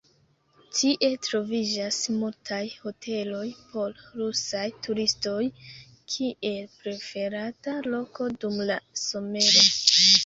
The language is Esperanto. Tie troviĝas multaj hoteloj por rusaj turistoj, kiel preferata loko dum la somero.